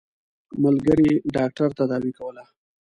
ملګري ډاکټر تداوي کوله.